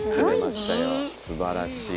すばらしい。